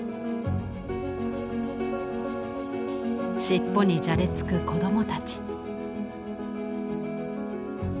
尻尾にじゃれつく子どもたち。